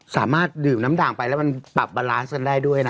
สามารถดื่มน้ำด่างไปแล้วมันปรับบาลานซ์กันได้ด้วยนะ